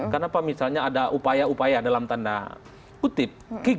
karena pak misalnya ada upaya upaya dalam tanda kutip